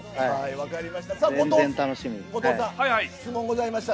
分かりました。